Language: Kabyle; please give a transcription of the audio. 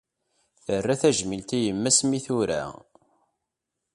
Terra tajmilt i yemma-s mi tura